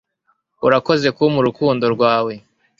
urakoze kumpa urukundo rwawe